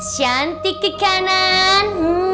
shantyik ke kanan